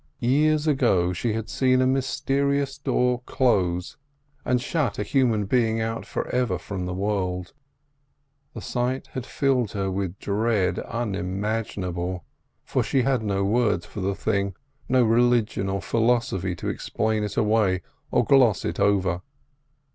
Years ago she had seen a mysterious door close and shut a human being out for ever from the world. The sight had filled her with dread unimaginable, for she had no words for the thing, no religion or philosophy to explain it away or gloss it over.